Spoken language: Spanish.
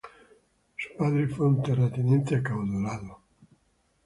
Su padre fue un terrateniente acaudalado.